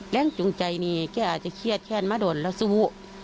แรงจูงใจนี้แกอาจจะเครียดแค่มาโดนแล้วสู้